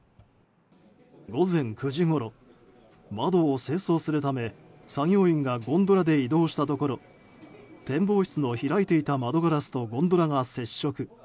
午前９時ごろ、窓を清掃するため作業員がゴンドラで移動したところ展望室の開いていた窓ガラスとゴンドラが接触。